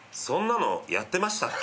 「そんなのやってました？」